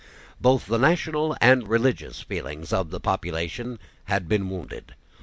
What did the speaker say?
Both the national and religious feelings of the population had been wounded.